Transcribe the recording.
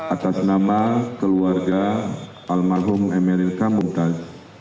atas nama keluarga almarhum emilir kamuntas